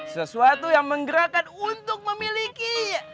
sesuatu yang menggerakkan untuk memiliki